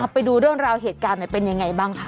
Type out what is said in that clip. ไปดูเรื่องราวเหตุการณ์หน่อยเป็นยังไงบ้างคะ